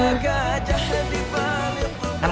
ada gajahnya dibalik